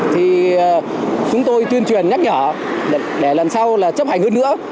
thì chúng tôi tuyên truyền nhắc nhở để lần sau là chấp hành hơn nữa